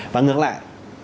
và ngược lại